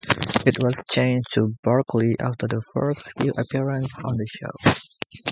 It was changed to "Barkley" after the first few appearances on the show.